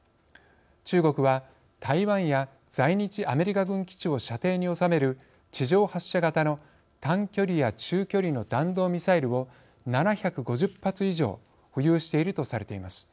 中国は台湾や在日アメリカ軍基地を射程に収める地上発射型の短距離や中距離の弾道ミサイルを７５０発以上保有しているとされています。